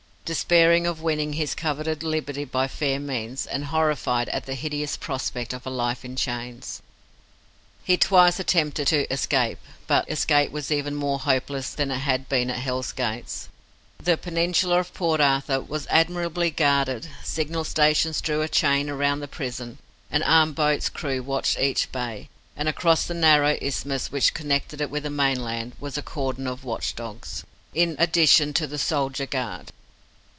Despairing of winning his coveted liberty by fair means, and horrified at the hideous prospect of a life in chains, he twice attempted to escape, but escape was even more hopeless than it had been at Hell's Gates. The peninsula of Port Arthur was admirably guarded, signal stations drew a chain round the prison, an armed boat's crew watched each bay, and across the narrow isthmus which connected it with the mainland was a cordon of watch dogs, in addition to the soldier guard.